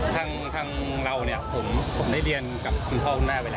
ทางเราเนี่ยผมได้เรียนกับคุณพ่อคุณแม่ไปแล้ว